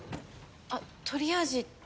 あっトリアージって何だっけ？